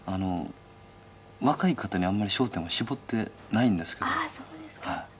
若い方に、あんまり焦点を絞ってないんですけど。